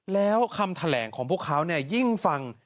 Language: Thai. แล้วคำแถลงของพวกเขายิ่งฟัง